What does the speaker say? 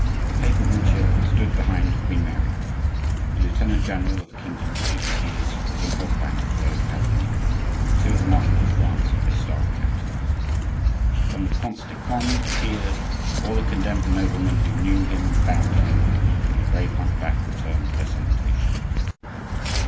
The papal nuncio stood behind Queen Mary; the lieutenant general of the kingdom, the Duc de Guise, was on horseback below the balcony, with two of the marshals of France and his staff captains. When the Prince de Conde appeared all the condemned noblemen who knew him bowed to him, and the brave hunchback returned their salutation.